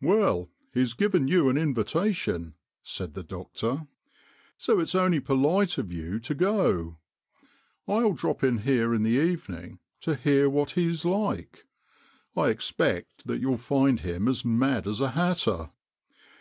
"Well, he's given you an invitation," said the doctor, " so it's only polite of you to go. I'll drop in here in the evening to hear what he's like. I expect that you'll find him as mad as a hatter."